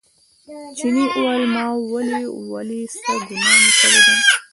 چیني وویل ما ولې ولئ څه ګناه مې کړې ده.